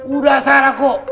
udah salah kok